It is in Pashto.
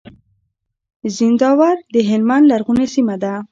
زينداور د هلمند لرغونې سيمه ده.